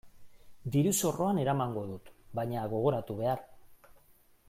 Diru-zorroan eramango dut baina gogoratu behar.